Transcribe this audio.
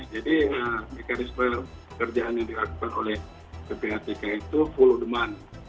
jadi mekanisme pekerjaan yang diakui oleh ppatk itu full demand